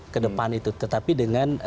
kedepan itu tetapi dengan